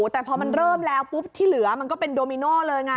แต่พอมันเริ่มแล้วปุ๊บที่เหลือมันก็เป็นโดมิโน่เลยไง